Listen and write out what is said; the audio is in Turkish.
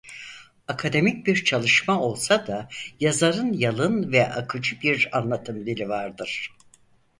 Akademik bir çalışma olsa da yazarın yalın ve akıcı bir anlatım dili vardır.